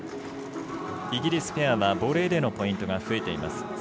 イギリスペアはボレーでのポイントが増えています。